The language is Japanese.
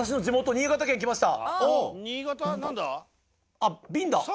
あっ瓶だ。